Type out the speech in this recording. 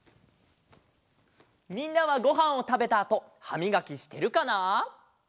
みんなはごはんをたべたあとはみがきしてるかな？